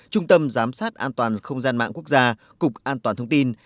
trung tâm giám sát an toàn không gian mạng quốc gia cục an toàn thông tin